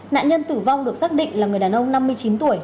nạn nhân tử vong được xác định là người đàn ông năm mươi chín tuổi